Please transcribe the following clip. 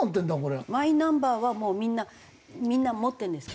マイナンバーはもうみんな持ってるんですか？